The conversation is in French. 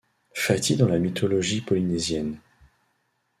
Fati dans la mythologie polynésienne.